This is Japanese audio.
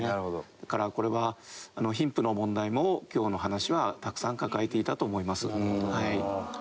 だからこれは貧富の問題も今日の話はたくさん抱えていたと思います。